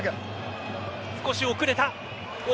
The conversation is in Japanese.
少し遅れた。